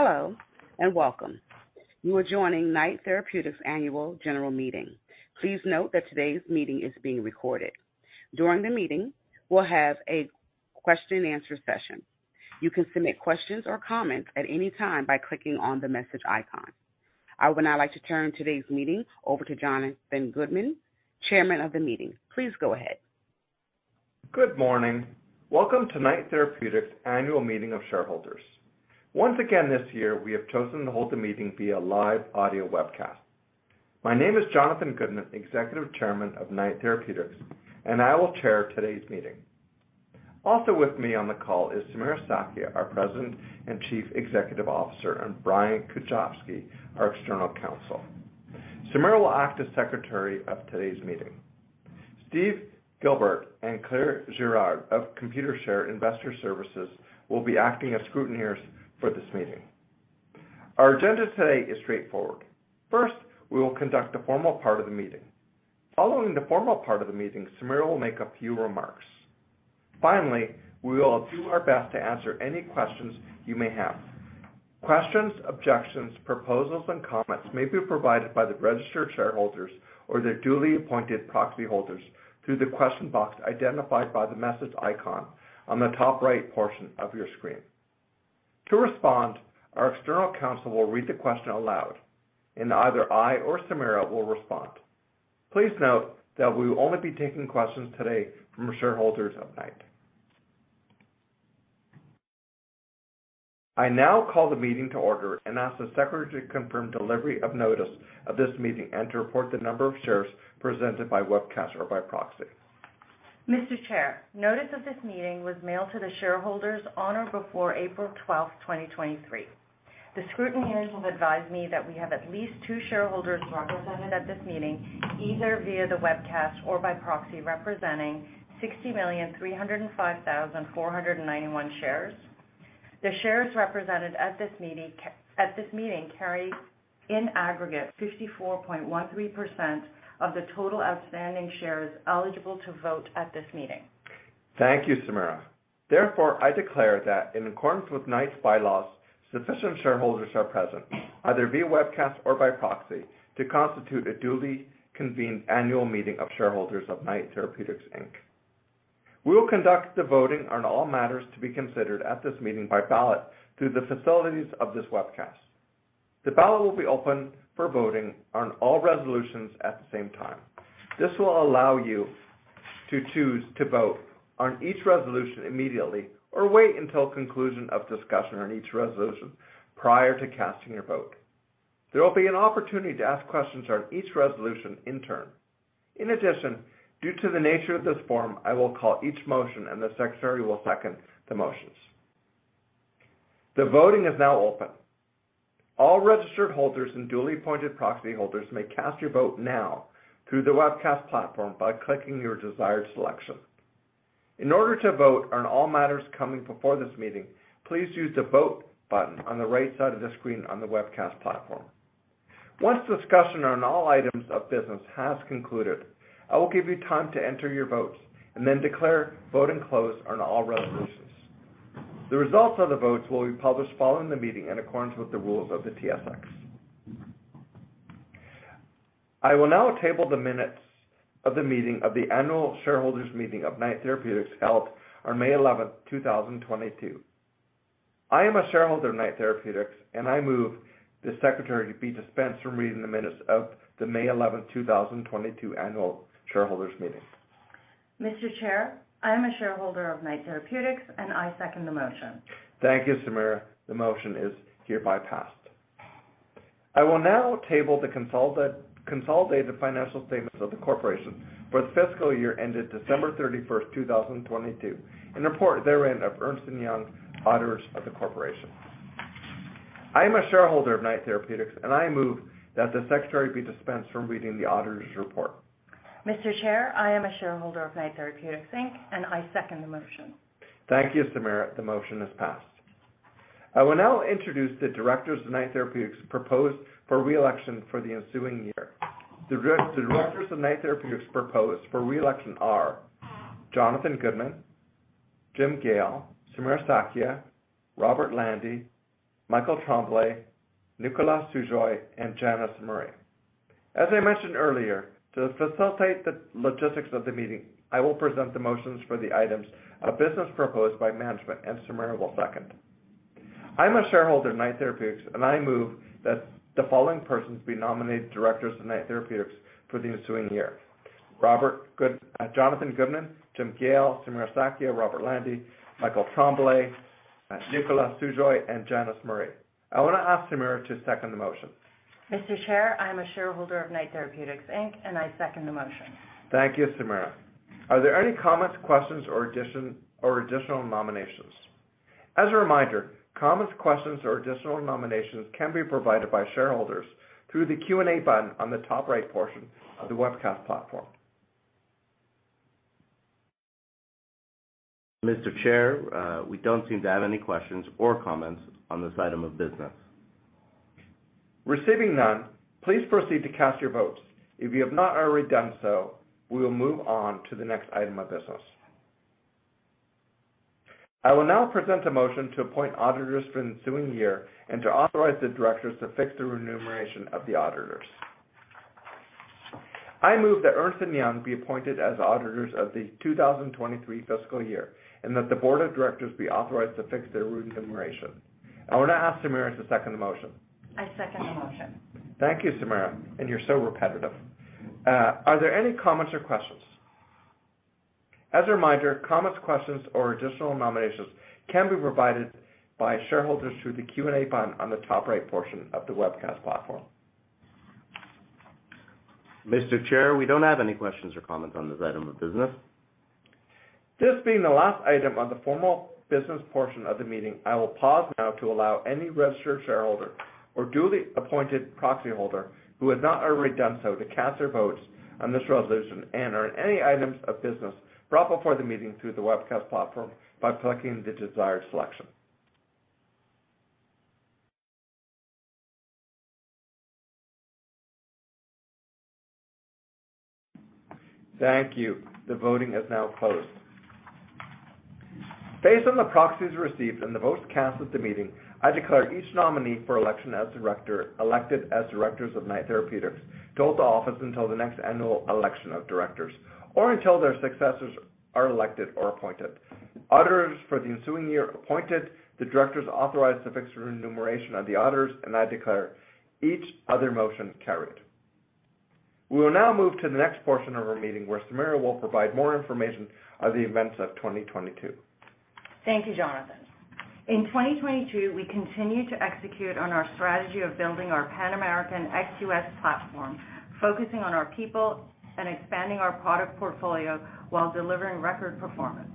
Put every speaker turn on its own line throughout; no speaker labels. Hello. Welcome. You are joining Knight Therapeutics' annual general meeting. Please note that today's meeting is being recorded. During the meeting, we'll have a question and answer session. You can submit questions or comments at any time by clicking on the message icon. I would now like to turn today's meeting over to Jonathan Goodman, Chairman of the meeting. Please go ahead.
Good morning. Welcome to Knight Therapeutics' annual meeting of shareholders. Once again, this year, we have chosen to hold the meeting via live audio webcast. My name is Jonathan Goodman, Executive Chairman of Knight Therapeutics. I will chair today's meeting. Also with me on the call is Samira Sakhia, our President and Chief Executive Officer, and Brian Kuchowski, our external counsel. Samira will act as secretary of today's meeting. Steve Gilbert and Claire Girard of Computershare Investor Services will be acting as scrutineers for this meeting. Our agenda today is straightforward. First, we will conduct the formal part of the meeting. Following the formal part of the meeting, Samira will make a few remarks. Finally, we will do our best to answer any questions you may have. Questions, objections, proposals, and comments may be provided by the registered shareholders or their duly appointed proxy holders through the question box identified by the message icon on the top right portion of your screen. To respond, our external counsel will read the question aloud, and either I or Samira will respond. Please note that we will only be taking questions today from shareholders of Knight. I now call the meeting to order and ask the secretary to confirm delivery of notice of this meeting and to report the number of shares presented by webcast or by proxy.
Mr. Chair, notice of this meeting was mailed to the shareholders on or before April twelfth, 2023. The scrutineers have advised me that we have at least two shareholders represented at this meeting, either via the webcast or by proxy, representing 60,305,491 shares. The shares represented at this meeting carry in aggregate 54.13% of the total outstanding shares eligible to vote at this meeting.
Thank you, Samira. I declare that in accordance with Knight's bylaws, sufficient shareholders are present, either via webcast or by proxy, to constitute a duly convened annual meeting of shareholders of Knight Therapeutics Inc. We will conduct the voting on all matters to be considered at this meeting by ballot through the facilities of this webcast. The ballot will be open for voting on all resolutions at the same time. This will allow you to choose to vote on each resolution immediately or wait until conclusion of discussion on each resolution prior to casting your vote. There will be an opportunity to ask questions on each resolution in turn. Due to the nature of this forum, I will call each motion and the secretary will second the motions. The voting is now open. All registered holders and duly appointed proxy holders may cast your vote now through the webcast platform by clicking your desired selection. In order to vote on all matters coming before this meeting, please use the Vote button on the right side of the screen on the webcast platform. Once discussion on all items of business has concluded, I will give you time to enter your votes and then declare voting closed on all resolutions. The results of the votes will be published following the meeting in accordance with the rules of the TSX. I will now table the minutes of the meeting of the annual shareholders meeting of Knight Therapeutics held on May eleventh, two thousand twenty-two. I am a shareholder of Knight Therapeutics and I move the secretary to be dispensed from reading the minutes of the May eleventh, two thousand twenty-two annual shareholders meeting.
Mr. Chair, I am a shareholder of Knight Therapeutics and I second the motion.
Thank you, Samira. The motion is hereby passed. I will now table the consolidated financial statements of the corporation for the fiscal year ended December 31st, 2022, and report therein of Ernst & Young, auditors of the corporation. I am a shareholder of Knight Therapeutics, and I move that the secretary be dispensed from reading the auditor's report.
Mr. Chair, I am a shareholder of Knight Therapeutics Inc., and I second the motion.
Thank you, Samira. The motion is passed. I will now introduce the directors of Knight Therapeutics proposed for reelection for the ensuing year. The directors of Knight Therapeutics proposed for reelection are Jonathan Goodman, Jim Gale, Samira Sakhia, Robert Lande, Michael Tremblay, Nicolás Sujoy, and Janice Murray. As I mentioned earlier, to facilitate the logistics of the meeting, I will present the motions for the items of business proposed by management, and Samira will second. I'm a shareholder of Knight Therapeutics, and I move that the following persons be nominated directors of Knight Therapeutics for the ensuing year: Jonathan Goodman, Jim Gale, Samira Sakhia, Robert Lande, Michael Tremblay, Nicolás Sujoy, and Janice Murray. I want to ask Samira to second the motion.
Mr. Chair, I am a shareholder of Knight Therapeutics Inc., and I second the motion.
Thank you, Samira. Are there any comments, questions, or additional nominations? As a reminder, comments, questions, or additional nominations can be provided by shareholders through the Q&A button on the top right portion of the webcast platform.
Mr. Chair, we don't seem to have any questions or comments on this item of business.
Receiving none, please proceed to cast your votes. If you have not already done so, we will move on to the next item of business. I will now present a motion to appoint auditors for the ensuing year and to authorize the directors to fix the remuneration of the auditors. I move that Ernst & Young be appointed as auditors of the 2023 fiscal year, and that the board of directors be authorized to fix their remuneration. I want to ask Samira to second the motion.
I second the motion.
Thank you, Samira. You're so repetitive. Are there any comments or questions? As a reminder, comments, questions, or additional nominations can be provided by shareholders through the Q&A button on the top right portion of the webcast platform.
Mr. Chair, we don't have any questions or comments on this item of business.
This being the last item on the formal business portion of the meeting, I will pause now to allow any registered shareholder or duly appointed proxy holder who has not already done so to cast their votes on this resolution and on any items of business brought before the meeting through the webcast platform by selecting the desired selection. Thank you. The voting is now closed. Based on the proxies received and the votes cast at the meeting, I declare each nominee for election as director, elected as directors of Knight Therapeutics to hold the office until the next annual election of directors or until their successors are elected or appointed. Auditors for the ensuing year appointed, the directors authorized to fix remuneration of the auditors and I declare each other motion carried. We will now move to the next portion of our meeting where Samira will provide more information on the events of 2022.
Thank you, Jonathan. In 2022, we continued to execute on our strategy of building our pan-American (ex-US) platform, focusing on our people and expanding our product portfolio while delivering record performance.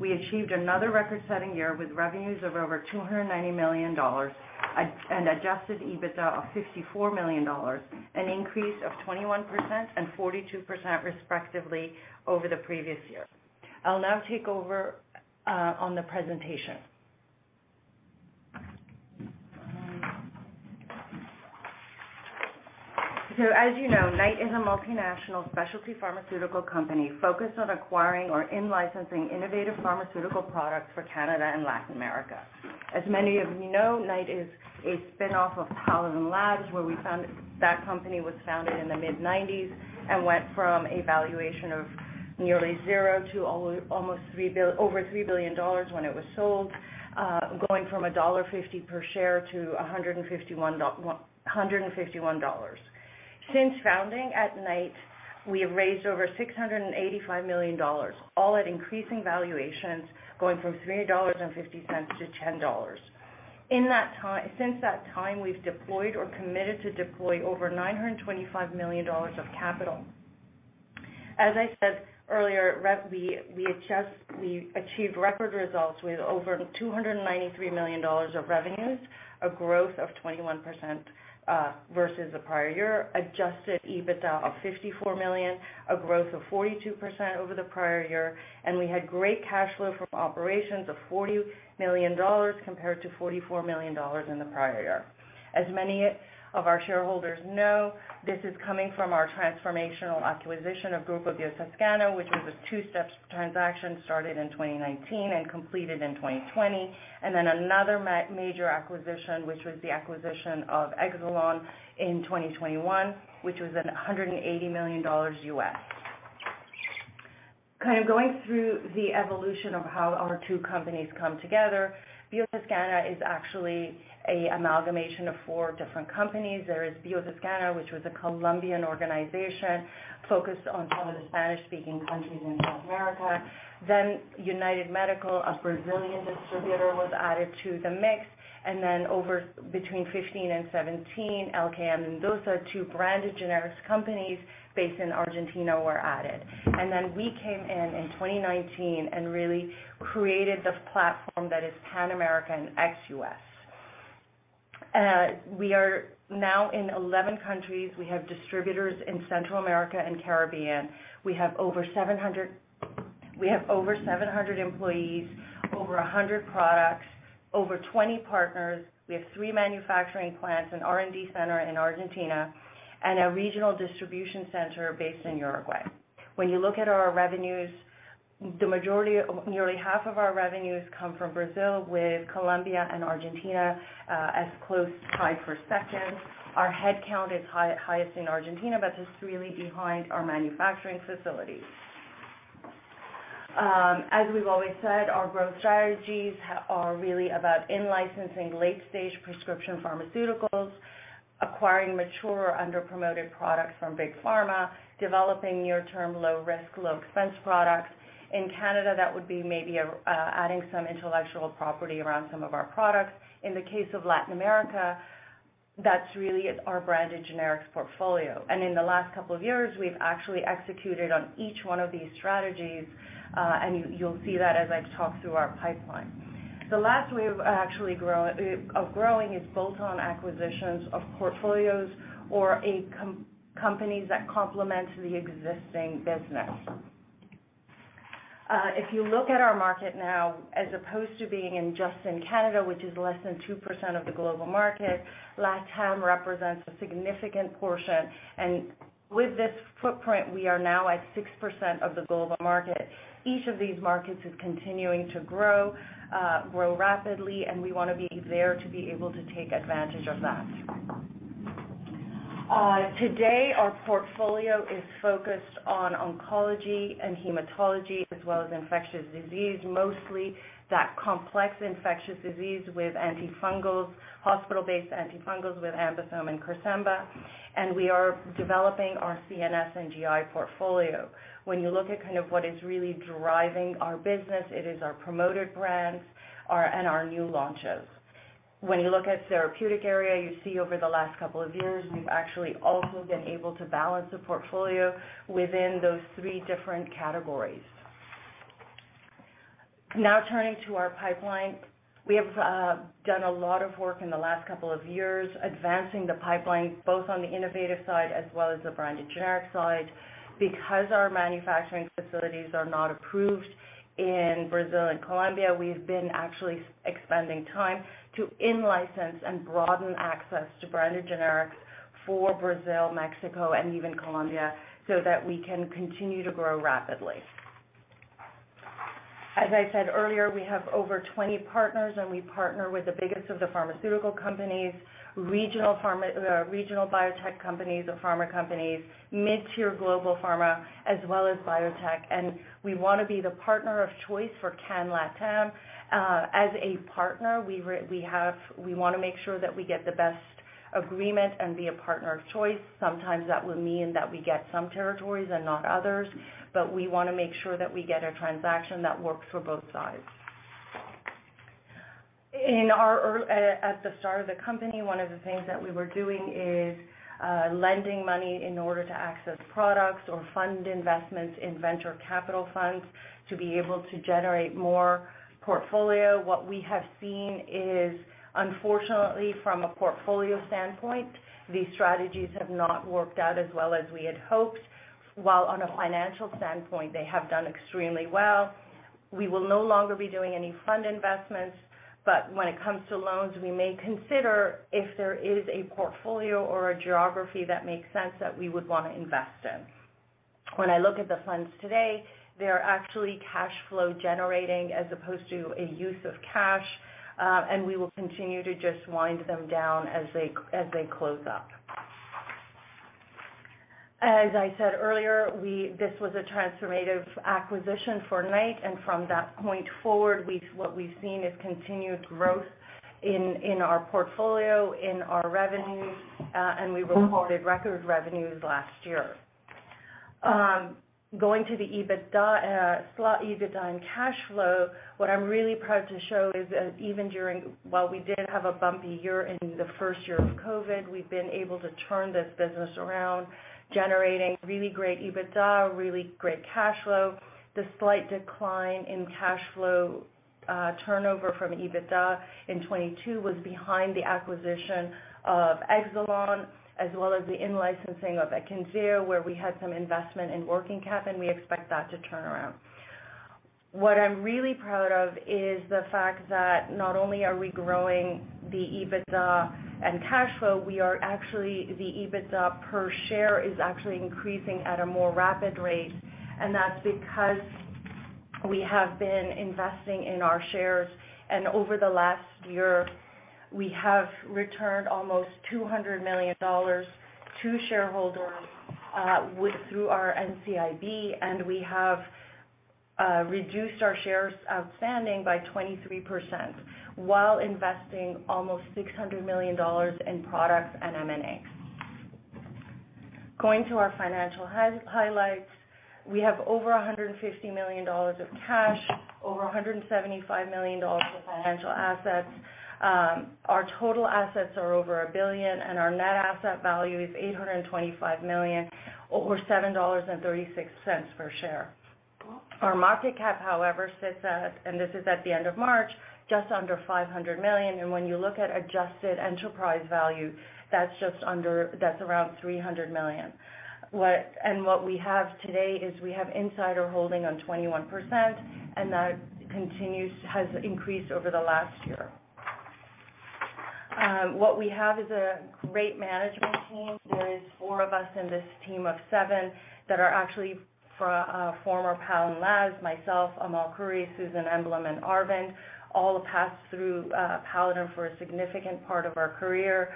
We achieved another record-setting year with revenues of over $ 290 million, and Adjusted EBITDA of $ 54 million, an increase of 21% and 42% respectively over the previous year. I'll now take over on the presentation. As you know, Knight is a multinational specialty pharmaceutical company focused on acquiring or in-licensing innovative pharmaceutical products for Canada and Latin America. As many of you know, Knight is a spin-off of Paladin Labs, that company was founded in the mid-nineties and went from a valuation of nearly zero to over $ 3 billion when it was sold, going from $ 1.50 per share to $ 151. Since founding at Knight, we have raised over $ 685 million, all at increasing valuations, going from $ 3.50 to $ 10. Since that time, we've deployed or committed to deploy over $ 925 million of capital. As I said earlier, we achieved record results with over $ 293 million of revenues, a growth of 21% versus the prior year. Adjusted EBITDA of $54 million, a growth of 42% over the prior year. We had great cash flow from operations of $40 million compared to $44 million in the prior year. As many of our shareholders know, this is coming from our transformational acquisition of Grupo Biotoscana, which was a two-step transaction started in 2019 and completed in 2020. Another major acquisition, which was the acquisition of Exelon in 2021, which was $180 million U.S.. Kind of going through the evolution of how our two companies come together. Biotoscana is actually a amalgamation of four different companies. There is Biotoscana, which was a Colombian organization focused on some of the Spanish-speaking countries in South America. Then United Medical, a Brazilian distributor, was added to the mix. Over between 15 and 17, LKM and Endosa, two branded generics companies based in Argentina were added. We came in 2019 and really created the platform that is pan-American ex-US. We are now in 11 countries. We have distributors in Central America and Caribbean. We have over 700 employees, over 100 products, over 20 partners. We have three manufacturing plants, an R&D center in Argentina, and a regional distribution center based in Uruguay. When you look at our revenues, nearly half of our revenues come from Brazil, with Colombia and Argentina, as close tie for second. Our headcount is highest in Argentina, but that's really behind our manufacturing facilities. As we've always said, our growth strategies are really about in-licensing late-stage prescription pharmaceuticals, acquiring mature or under-promoted products from Big Pharma, developing near-term, low-risk, low-expense products. In Canada, that would be maybe, adding some intellectual property around some of our products. In the case of Latin America, that's really our branded generics portfolio. In the last couple of years, we've actually executed on each one of these strategies, and you'll see that as I talk through our pipeline. The last way of actually growing is bolt-on acquisitions of portfolios or companies that complement the existing business. If you look at our market now, as opposed to being in just in Canada, which is less than 2% of the global market, LatAm represents a significant portion. With this footprint, we are now at 6% of the global market. Each of these markets is continuing to grow rapidly, and we wanna be there to be able to take advantage of that. Today, our portfolio is focused on oncology and hematology as well as infectious disease, mostly that complex infectious disease with antifungals, hospital-based antifungals with AmBisome and Cresemba. We are developing our CNS and GI portfolio. When you look at kind of what is really driving our business, it is our promoted brands, our, and our new launches. When you look at therapeutic area, you see over the last couple of years, we've actually also been able to balance the portfolio within those three different categories. Now turning to our pipeline. We have done a lot of work in the last couple of years advancing the pipeline, both on the innovative side as well as the branded generic side. Our manufacturing facilities are not approved in Brazil and Colombia, we've been actually expanding time to in-license and broaden access to branded generics for Brazil, Mexico, and even Colombia so that we can continue to grow rapidly. As I said earlier, we have over 20 partners, we partner with the biggest of the pharmaceutical companies, regional biotech companies or pharma companies, mid-tier global pharma, as well as biotech. We wanna be the partner of choice for CanLatAm. As a partner, we wanna make sure that we get the best agreement and be a partner of choice. Sometimes that will mean that we get some territories and not others, we wanna make sure that we get a transaction that works for both sides. At the start of the company, one of the things that we were doing is lending money in order to access products or fund investments in venture capital funds to be able to generate more portfolio. What we have seen is, unfortunately, from a portfolio standpoint, these strategies have not worked out as well as we had hoped, while on a financial standpoint, they have done extremely well. We will no longer be doing any fund investments, but when it comes to loans, we may consider if there is a portfolio or a geography that makes sense that we would wanna invest in. When I look at the funds today, they are actually cash flow generating as opposed to a use of cash, and we will continue to just wind them down as they close up. As I said earlier, this was a transformative acquisition for Knight, from that point forward, what we've seen is continued growth in our portfolio, in our revenues. We reported record revenues last year. Going to the EBITDA, slight EBITDA and cash flow, what I'm really proud to show is that even during, while we did have a bumpy year in the first year of COVID, we've been able to turn this business around, generating really great EBITDA, really great cash flow. The slight decline in cash flow, turnover from EBITDA in 2022 was behind the acquisition of Exelon, as well as the in-licensing of Exkivity, where we had some investment in working cap. We expect that to turn around. What I'm really proud of is the fact that not only are we growing the EBITDA and cash flow, we are actually, the EBITDA per share is actually increasing at a more rapid rate, and that's because we have been investing in our shares. Over the last year, we have returned almost $200 million to shareholders through our NCIB, and we have reduced our shares outstanding by 23% while investing almost $600 million in products and M&A. Going to our financial highlights, we have over $150 million of cash, over $175 million of financial assets. Our total assets are over $1 billion, and our net asset value is $825 million, or $7.36 per share. Our market cap, however, sits at, and this is at the end of March, just under $ 500 million. When you look at Adjusted EBITDA, that's around $ 300 million. What we have today is we have insider holding on 21%, and that has increased over the last year. What we have is a great management team. There is four of us in this team of seven that are actually former Paladin Labs, myself, Amal Khouri, Susan Emblem, and Arvind, all passed through Paladin for a significant part of our career.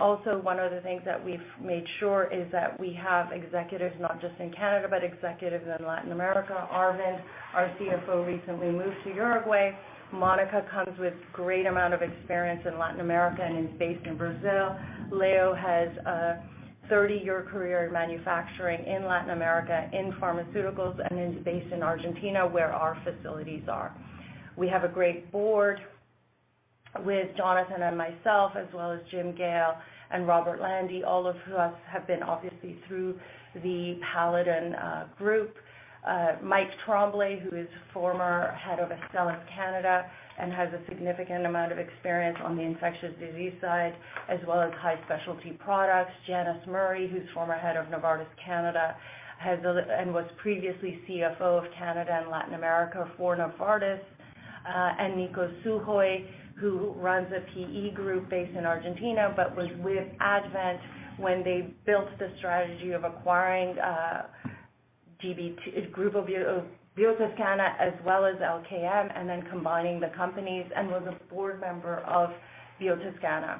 Also one of the things that we've made sure is that we have executives not just in Canada, but executives in Latin America. Arvind, our CFO, recently moved to Uruguay. Monica comes with great amount of experience in Latin America and is based in Brazil. Leo has a 30-year career in manufacturing in Latin America, in pharmaceuticals and is based in Argentina, where our facilities are. We have a great board with Jonathan and myself as well as Jim Gale and Robert Lande, all of who have been obviously through the Paladin group. Mike Tremblay, who is former head of Astellas Canada and has a significant amount of experience on the infectious disease side as well as high specialty products. Janice Murray, who's former head of Novartis Canada, and was previously CFO of Canada and Latin America for Novartis. Nicolás Sujoy, who runs a PE group based in Argentina, but was with Advent when they built the strategy of acquiring Grupo Biotoscana as well as LKM, then combining the companies, and was a board member of Biotoscana.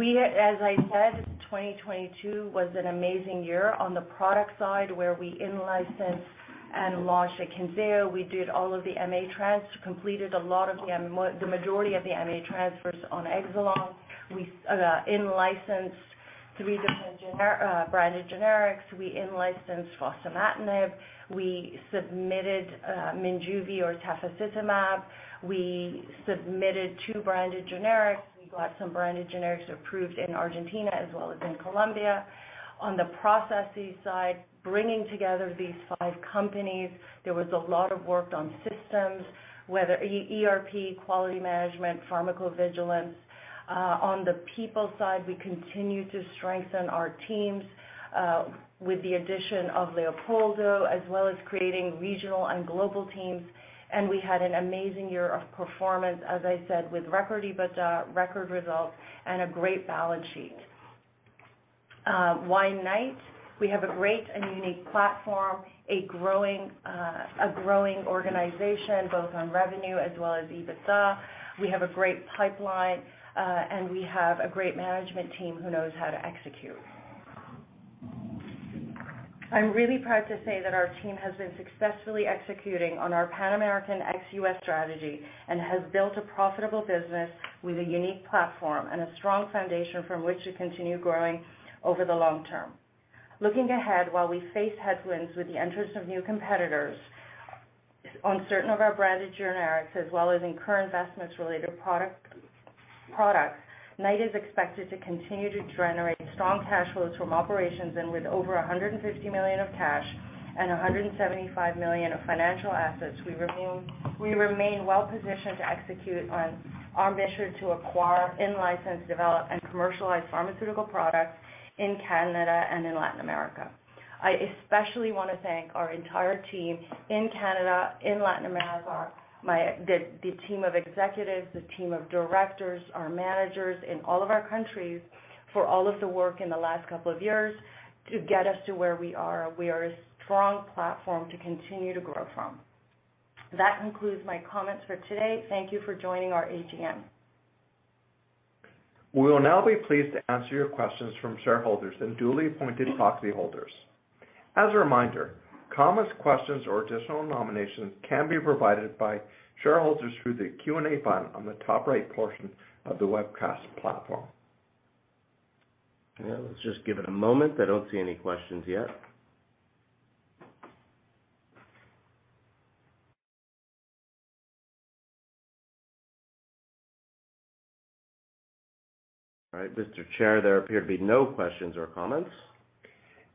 As I said, 2022 was an amazing year on the product side, where we in-licensed and launched Exkivity. We did all of the MA trans, completed a lot of the majority of the MA transfers on Exelon. We in-licensed 3 different branded generics. We in-licensed fostamatinib. We submitted Minjuvi or tafasitamab. We submitted 2 branded generics. We got some branded generics approved in Argentina as well as in Colombia. On the processes side, bringing together these five companies, there was a lot of work on systems, whether ERP, quality management, pharmacovigilance. On the people side, we continued to strengthen our teams, with the addition of Leopoldo, as well as creating regional and global teams. We had an amazing year of performance, as I said, with record EBITDA, record results, and a great balance sheet. Why Knight? We have a great and unique platform, a growing, a growing organization, both on revenue as well as EBITDA. We have a great pipeline, and we have a great management team who knows how to execute. I'm really proud to say that our team has been successfully executing on our Pan-American ex-US strategy and has built a profitable business with a unique platform and a strong foundation from which to continue growing over the long term. Looking ahead, while we face headwinds with the entrance of new competitors on certain of our branded generics as well as in current investments-related product, Knight is expected to continue to generate strong cash flows from operations. With over $ 150 million of cash and $ 175 million of financial assets, we remain well positioned to execute on our mission to acquire, in-license, develop, and commercialize pharmaceutical products in Canada and in Latin America. I especially wanna thank our entire team in Canada, in Latin America, the team of executives, the team of directors, our managers in all of our countries for all of the work in the last couple of years to get us to where we are. We are a strong platform to continue to grow from. That concludes my comments for today. Thank you for joining our AGM.
We will now be pleased to answer your questions from shareholders and duly appointed proxy holders. As a reminder, comments, questions or additional nominations can be provided by shareholders through the Q&A button on the top right portion of the webcast platform.
Yeah, let's just give it a moment. I don't see any questions yet. All right, Mr. Chair, there appear to be no questions or comments.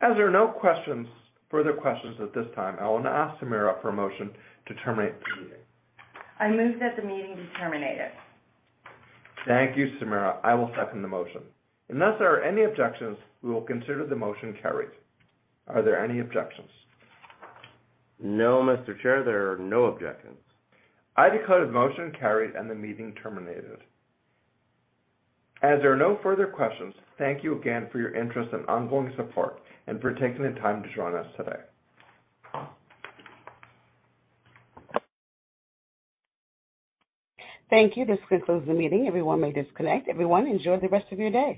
As there are no questions, further questions at this time, I want to ask Samira for a motion to terminate the meeting.
I move that the meeting be terminated.
Thank you, Samira. I will second the motion. Unless there are any objections, we will consider the motion carried. Are there any objections?
No, Mr. Chair, there are no objections.
I declare the motion carried and the meeting terminated. There are no further questions, thank you again for your interest and ongoing support and for taking the time to join us today. Thank you. This concludes the meeting. Everyone may disconnect. Everyone, enjoy the rest of your day.